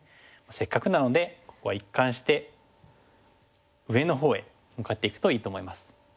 せっかくなのでここは一貫して上のほうへ向かっていくといいと思います。